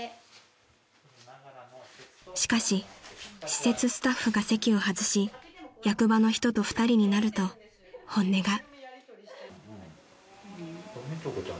［しかし施設スタッフが席を外し役場の人と２人になると本音が］